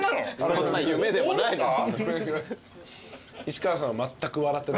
そんな夢でもないです。